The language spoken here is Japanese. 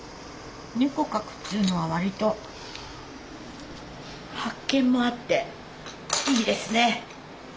猫描くっていうのは割と発見もあっていいですね。